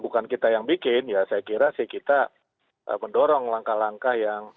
saya yang bikin saya kira kita mendorong langkah langkah yang